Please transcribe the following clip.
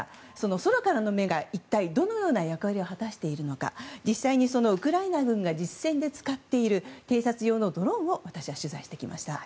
空からの目が一体どのような役割を果たしているのか実際にウクライナ軍が実戦で使っている偵察用のドローンを取材してきました。